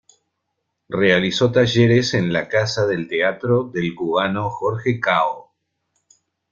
Realizó talleres en La Casa del Teatro del cubano Jorge Cao.